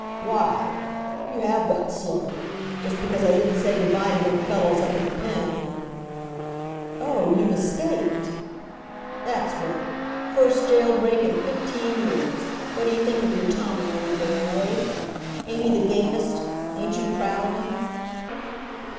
"Why! You have got slow. Just because I didn't say good by to them fellows up at the Pen, and " "Oh! You've escaped!" "That's what. First jail break in fifteen years. What d'ye think of your Tommy, old girl, eh? Ain't he the gamest? Ain't you proud of him?"